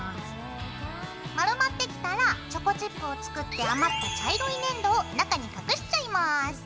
丸まってきたらチョコチップを作って余った茶色い粘土を中に隠しちゃいます。